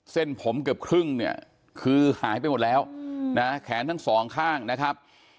เส้นผมเกือบครึ่งเนี่ยคือหายไปหมดแล้วนะแขนทั้งสองข้างนะครับ